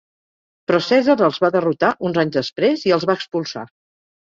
Però Cèsar els va derrotar uns anys després i els va expulsar.